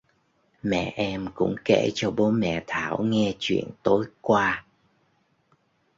mẹ em cũng Kể cho bố mẹ Thảo nghe chuyện tối qua